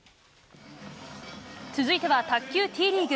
続いては卓球Ｔリーグ。